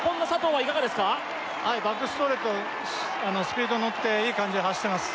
はいバックストレートあのスピード乗っていい感じで走ってます